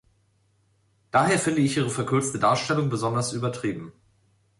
Daher finde ich Ihre verkürzte Darstellung besonders übertrieben.